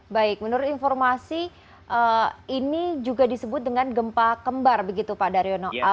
baik menurut informasi ini juga disebut dengan gempa kembar begitu pak daryono